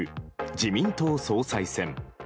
自民党総裁選。